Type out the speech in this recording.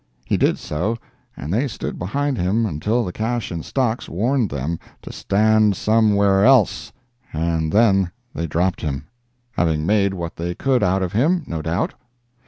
He did so, and they stood behind him until the crash in stocks warned them to stand some where else and then they dropped him—having made what they could out of him, no doubt.